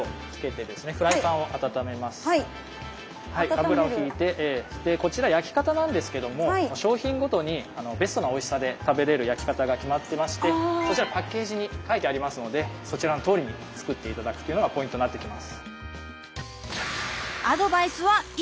油を引いてでこちら焼き方なんですけども商品ごとにベストなおいしさで食べれる焼き方が決まってましてそちらパッケージに書いてありますのでそちらのとおりに作って頂くっていうのがポイントになってきます。